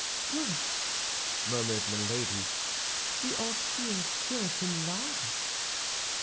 "Good!" murmured Milady; "the austere Puritan lies."